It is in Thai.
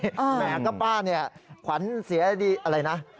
แหมก็ป้าเนี่ยขวัญเสียดีอะไรนะ